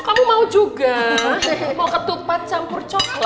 kamu mau juga mau ketupat campur coklat